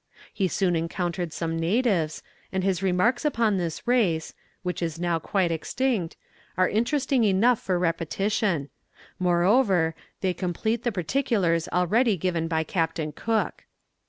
He soon encountered some natives, and his remarks upon this race, which is now quite extinct, are interesting enough for repetition; moreover, they complete the particulars already given by Captain Cook.